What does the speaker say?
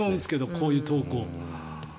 こういう投稿。